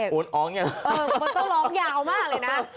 เออทุกคนต้องร้องยาวมากเลยนะ